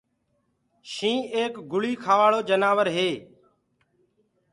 شيِنهيٚنَ ايڪ گوشتکور جآنور هي۔